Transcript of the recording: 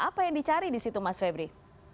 apa yang dicari di situ mas febri